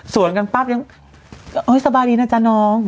ส่วนกันปั๊บยังสบายดีนะจ๊ะน้อง